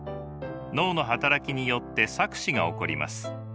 脳の働きによって錯視が起こります。